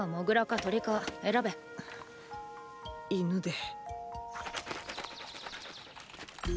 犬で。